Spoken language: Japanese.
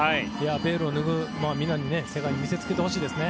ベールを脱いで世界に見せつけてほしいですね。